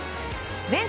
全国